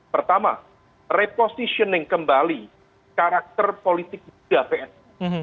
pertama repositioning kembali karakter politik muda psi